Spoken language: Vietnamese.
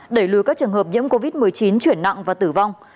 đẩy lùi các trường hợp nhiễm covid một mươi chín chuyển nặng và tử vong